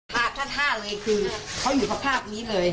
ท่าเลยคือเค้าขับภาพนี้เลย